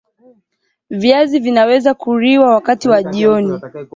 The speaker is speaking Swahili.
Viazi vinaweza kuliwa wakati wa jioni